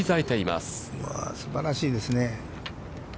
すばらしいですね。